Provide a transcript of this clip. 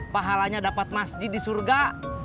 pahalanya dapat masjid di surga